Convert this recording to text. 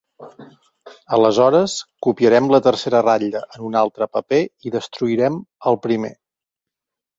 Aleshores, copiarem la tercera ratlla en un altre paper i destruirem el primer.